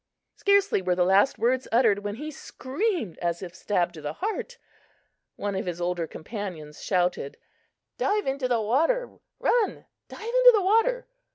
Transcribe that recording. Scarcely were the last words uttered when he screamed as if stabbed to the heart. One of his older companions shouted: "Dive into the water! Run! Dive into the water!"